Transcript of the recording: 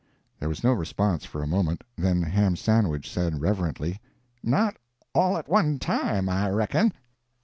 There was no response for a moment; then Ham Sandwich said, reverently, "Not all at one time, I reckon."